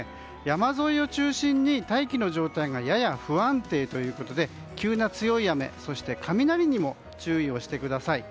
山沿いを中心に大気の状態がやや不安定ということで急な強い雨、雷にも注意をしてください。